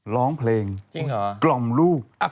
ร้องเพลงกล่อมลูก